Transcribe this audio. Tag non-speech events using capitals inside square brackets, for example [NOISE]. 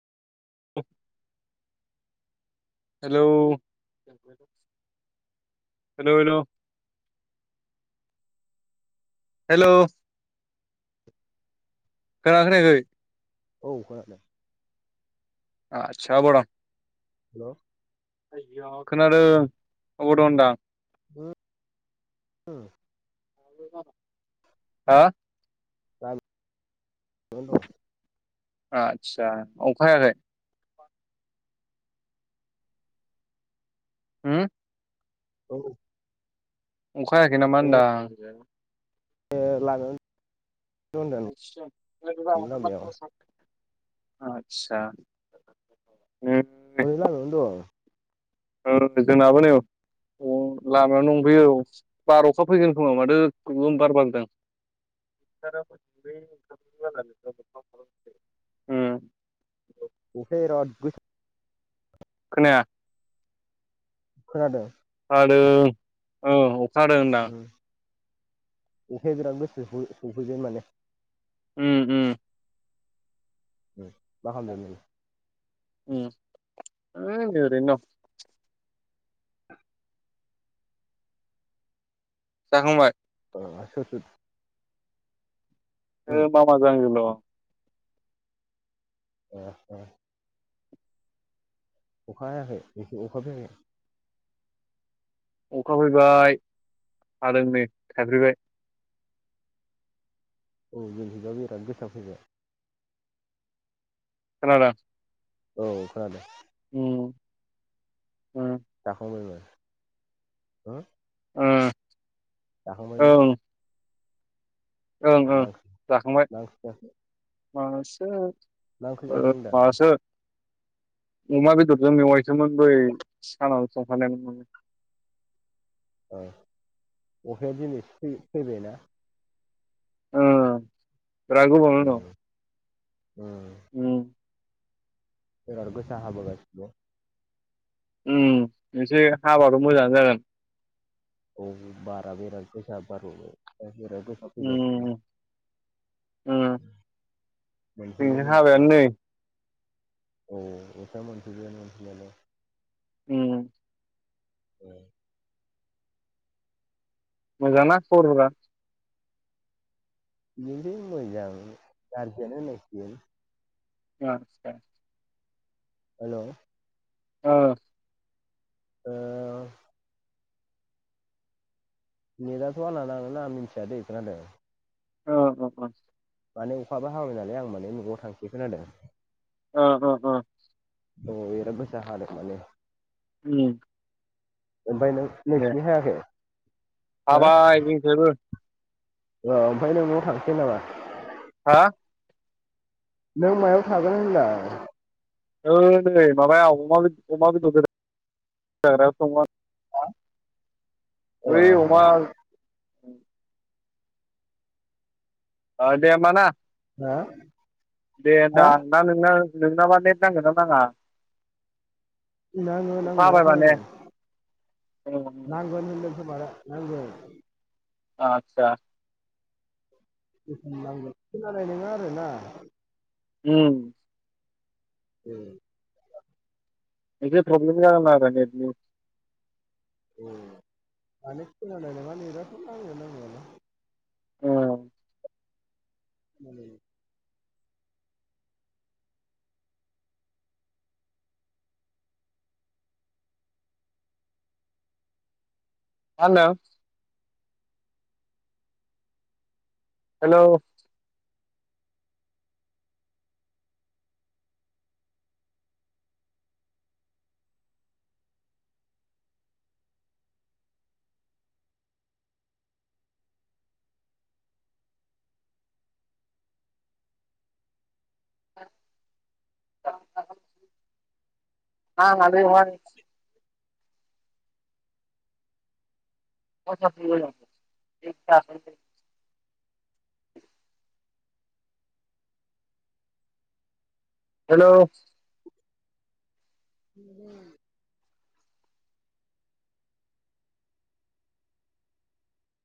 Hello hello hello hello खोनाखोनायाखै औ खोनादों आतसा अबाव दं हेल' हेल' खोनादों अबाव दं होनदां [UNINTELLIGIBLE] हा? [UNINTELLIGIBLE] आदसा अखा हायाखै? होम? औ अखा हायाखै नामा होनदां? लाङो। लामायाव आथसा। ओरैनो लामाआवनो दं। जोंनाबो नै अ लामायाव दंफैयो औ बार अखा फैगोन खोमा माथो गोगोम बार बारदों। [UNINTELLIGIBLE] उम। अखाया बिराद गोसा खोनाया। खोनादों? हादों औ अखा हादों। उम अखाया बिराद गोसासो सफैगोन माने उम उम। मा खामदो नों? उम ओ ओरैनो दं। जाखांबाय? अ सोर सोर? उम ओ मामाजों आंजोल'। [UNINTELLIGIBLE] अखा हायाखै बेखि अखा [UNINTELLIGIBLE] अखा फैबाय हादों नै थाइफ्रिबाय। औ जोंनिखिजा बिराद गोसा फैबाय। खोनादों। औ खोनादों। उम ओ। जाखांबायमोन हो? उम। जाखांबायमोन। ओं अ ओं मा ओं ओंख्रि जाखांबाय। मा ओंख्रि जाखो मासो मा ओंख्रि जाखो होनदां मासो अमा बेदरजों मेवायसोमोन बै सानाव संफानायमोन। औ अखाया दिनैसो फै-फैबायना? ओ बिराद गोबावनि उनाव। उम उम। उम। एबार गोसा हाबोलायसिगोन। उम एसे हाबाथ' मोजाङानो जागोन। औ बारा बिराद गोसा बारबोबाय बिराद गोसा फैगासिनो। उम उम मोनफैबायानो जोंनिथिं अखाया हाबायानो नै। औ अखाया मोनफैबायमोन मोनफैनायालाय। उम। [UNINTELLIGIBLE] मोजां ना खबरफोरा? बिदिनोसै मोजां गारजियानो होननांसिगोन। [INAUDIBLE] हेलौ ओ ओ औ नेदाथ आंना नांगोना नाङा मिथियादै खोनादों? [UNINTELLIGIBLE] माने अखाबो हाबाय नालाय आं माने न'आव थांसै खोनादों? ओ ओ ओ औ बिराद गोसा हादों माने। उम ओमफाय दे नों-नोंसिनि हायाखै? हो हाबाय जोंनिखिजायबो। ओ ओमफाय नों न'आव थांसै नामा? हा नों मायाव थागोन होनदां? ओ नै माबायाव अमा बेद-अमा बेदर गोदाग्रायाव दंमोन। ओ ओइ अमा ओ दे होनबा ना। हो दे होनदां ना नोंना नोंनाबा नेट नांगोन ना नाङा। नाङो अखा नांनाया हाबाय माने खोनादों उम उम नांगोन होनदों खोमारा नांगोन। आतसा जिखुनु नांगोन खोनानाय नङा आरो ना। उम ओं एसे प्रब्लेम जागोन आरो नेटनि। उम माने खोनानाय नङा नेटाथ नाङो नांनायालाय। ओ [UNINTELLIGIBLE] मा होनदों। Hello [UNINTELLIGIBLE] [UNINTELLIGIBLE] hello [UNINTELLIGIBLE]